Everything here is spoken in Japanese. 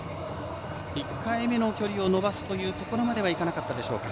１回目の距離を伸ばすというところまではいかなかったでしょうか。